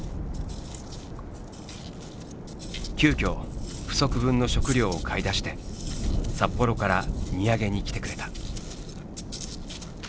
急きょ不足分の食料を買い出して札幌から荷上げに来てくれた。